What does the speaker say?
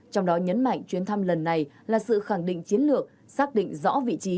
trong đó nhấn mạnh chuyến thăm lần này là sự khẳng định chiến lược xác định rõ vị trí